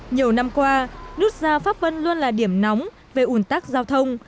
nhiều năm qua nút giao pháp vân luôn là điểm nóng về ủn tắc giao thông